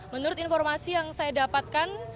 menurut informasi yang saya dapatkan